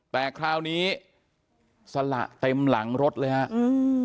แต่คราวนี้สละเต็มหลังรถเลยฮะอืม